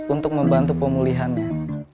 untuk membantu pemulihannya